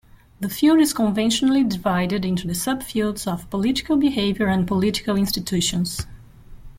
The field is conventionally divided into the sub-fields of political behavior and political institutions.